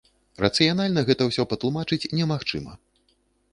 Рацыянальна гэта ўсё патлумачыць немагчыма.